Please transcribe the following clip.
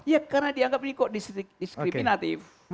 ya karena dianggap ini kok diskriminatif